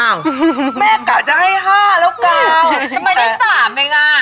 อ้าวแม่กะจะให้ห้าแล้วกาวทำไมได้สามเองอ่ะ